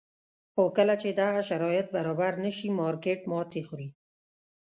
خو کله چې دغه شرایط برابر نه شي مارکېټ ماتې خوري.